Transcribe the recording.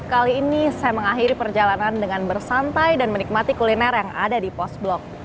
kali ini saya mengakhiri perjalanan dengan bersantai dan menikmati kuliner yang ada di pos blok